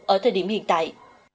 ở thời điểm hiện tại